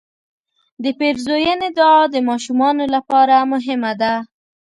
د پیرزوینې دعا د ماشومانو لپاره مهمه ده.